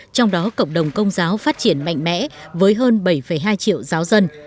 trong đó cộng đồng công giáo phát triển mạnh mẽ với hơn bảy hai triệu giáo dân